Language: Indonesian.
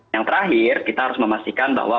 yang terakhir kita harus memastikan bahwa